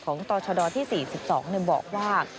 ของตอชดภาคที่๔๒บอกว่า